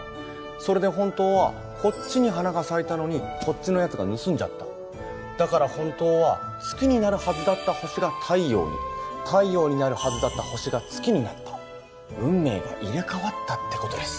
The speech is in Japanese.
それで本当はこっちに花が咲いたのにこっちのやつが盗んじゃっただから本当は月になるはずだった星が太陽に太陽になるはずだった星が月になった運命が入れ替わったってことです